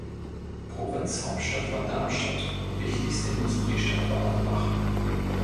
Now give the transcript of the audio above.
Provinzhauptstadt war Darmstadt, wichtigste Industriestadt war Offenbach.